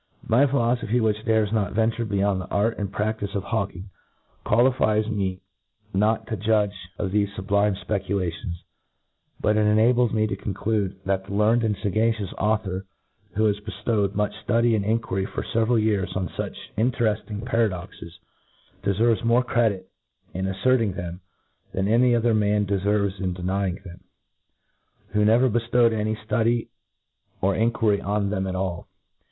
My philofophy, which dares hot venture be* yond the art and prai^ce of Hawking, qualifies me not to jjuflge of thefe fublime fpeculations* « but it en^ble^, mq to conclude, that the learne4 and iagacious, author, who has beftowed inucb fludy an^d inquiry for feveral years on fuct^ ini» terefting paradoxes, dcferves more credit in af ferting themi <han any other man defcrves in de nying them, wha never bcftpwed any ftudy ox inquiry on tbenx at all.